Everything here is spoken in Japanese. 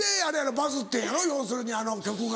バズってんやろ要するに曲が。